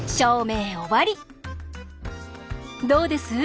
どうです？